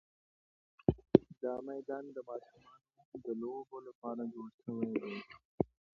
دا میدان د ماشومانو د لوبو لپاره جوړ شوی دی.